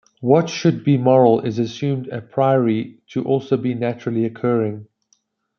What should be moral is assumed "a priori" to also be naturally occurring.